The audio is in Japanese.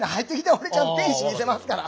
俺ちゃんと天使見せますから。